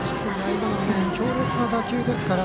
今のは強烈な打球ですから。